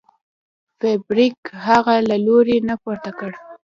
فلیریک هغه له لارې نه پورته کړ.